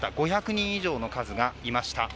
５００人以上の数がいました。